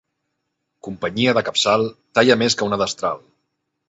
Companyia de capçal talla més que una destral.